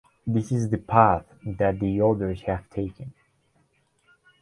This is the path that the others have taken.